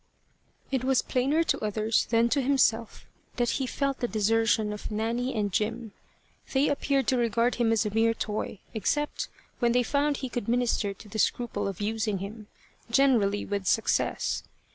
It was plainer to others than to himself that he felt the desertion of Nanny and Jim. They appeared to regard him as a mere toy, except when they found he could minister to the scruple of using him generally with success.